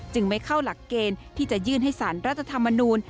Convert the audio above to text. ไม่เข้าหลักเกณฑ์ที่จะยื่นให้สารรัฐธรรมนูล